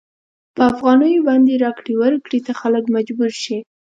په افغانیو باندې راکړې ورکړې ته خلک مجبور شي.